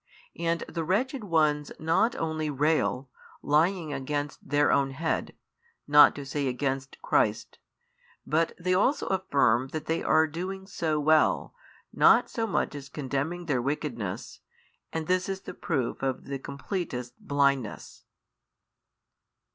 And the wretched ones not only rail, lying against their own head, not to say against Christ, but they also affirm that they are doing so well, not so much as condemning their wickedness: and this is the proof of the completest blindness.